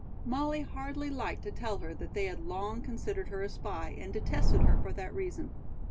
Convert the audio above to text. Molly hardly liked to tell her that they had long considered her a spy and detested her for that reason.